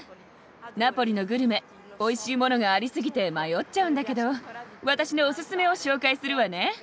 ナポリのグルメおいしいものがありすぎて迷っちゃうんだけど私のおすすめを紹介するわね。